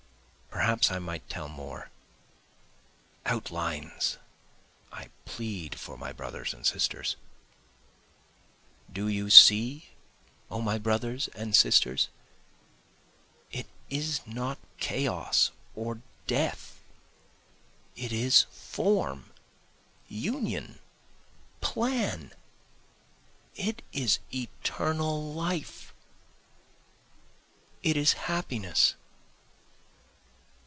Perhaps I might tell more. Outlines! I plead for my brothers and sisters. Do you see O my brothers and sisters? It is not chaos or death it is form, union, plan it is eternal life it is Happiness.